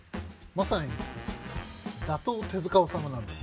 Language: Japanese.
まさに打倒・手治虫なんですよ。